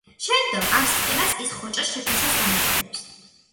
შემდომ ამ სისტემას ის ხოჭოს შექმნისას გამოიყენებს.